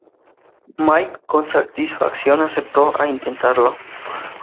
Mike con satisfacción aceptó a intentarlo.